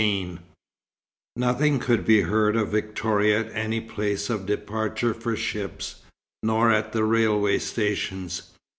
XV Nothing could be heard of Victoria at any place of departure for ships, nor at the railway stations.